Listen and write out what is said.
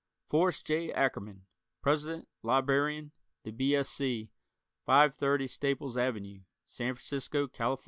Forrest J. Ackerman, President Librarian, The B. S. C., 530 Staples Avenue, San Francisco, Calif.